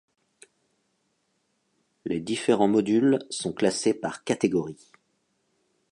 Les différents modules sont classés par catégories.